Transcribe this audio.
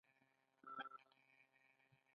د زنجبیل غوړي د څه لپاره وکاروم؟